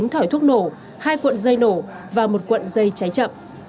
một trăm linh chín thỏi thuốc nổ hai cuộn dây nổ và một cuộn dây cháy chậm